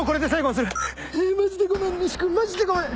マジでごめん。